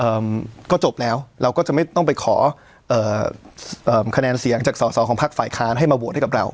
เอ่อก็จบแล้วเราก็จะไม่ต้องไปขอเอ่อเอ่อคะแนนเสียงจากสอสอของพักฝ่ายค้านให้มาโหวตให้กับเรา